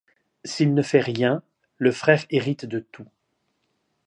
S'il ne fait rien, le frère hérite de tout.